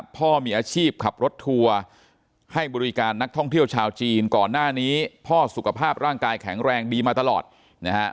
พ่อมีอาชีพขับรถทัวร์ให้บริการนักท่องเที่ยวชาวจีนก่อนหน้านี้พ่อสุขภาพร่างกายแข็งแรงดีมาตลอดนะฮะ